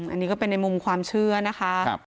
อันนี้ก็เป็นในมุมความเชื่อนะคะ